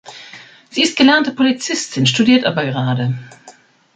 Sie ist gelernte Polizistin, studiert aber gerade.